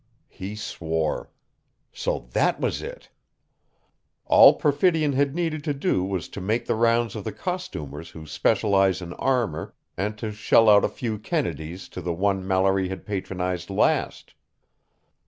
He swore. So that was it! All Perfidion had needed to do was to make the rounds of the costumers who specialized in armor, and to shell out a few Kennedees to the one Mallory had patronized last.